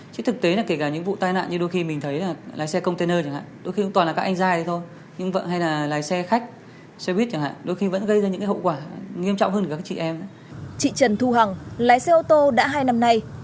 chị trần thu hằng lái xe ô tô đã hai năm nay